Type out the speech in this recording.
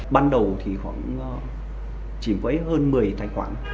ban đầu thì cũng chỉ với hơn một mươi tài khoản